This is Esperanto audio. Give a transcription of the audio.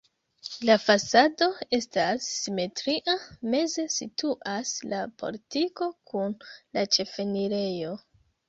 La fasado estas simetria, meze situas la portiko kun la ĉefenirejo.